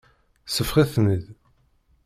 Seffeɣ-iten-id.